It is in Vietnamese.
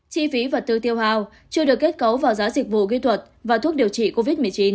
chi phí vật tư tiêu hào chưa được kết cấu vào giá dịch vụ kỹ thuật và thuốc điều trị covid một mươi chín